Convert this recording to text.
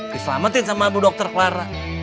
diselametin sama bu dokter clara